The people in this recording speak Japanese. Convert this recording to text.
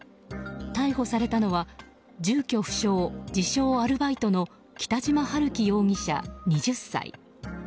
逮捕されたのは住居不詳、自称アルバイトの北島陽樹容疑者、２０歳。